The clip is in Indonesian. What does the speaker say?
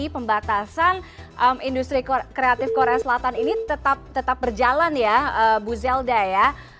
pembatasan industri kreatif korea selatan ini tetap berjalan ya bu zelda ya